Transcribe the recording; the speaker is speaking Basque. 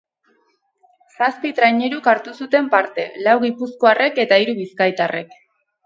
Zazpi traineruk hartu zuten parte, lau gipuzkoarrek eta hiru bizkaitarrek.